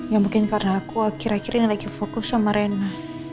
ya mungkin karena aku kira kira ini lagi fokus sama rena